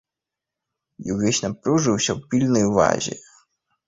І ўвесь напружыўся ў пільнай увазе.